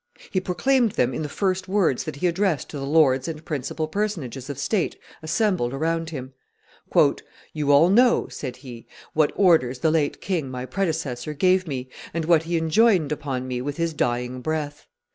He proclaimed them in the first words that he addressed to the lords and principal personages of state assembled around him. "You all know," said he, "what orders the late king my predecessor gave me, and what he enjoined upon me with his dying breath.